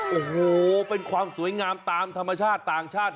โอ้โหเป็นความสวยงามตามธรรมชาติต่างชาติ